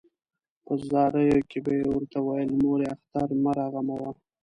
په زاریو کې به یې ورته ویل مورې اختر مه راغموه.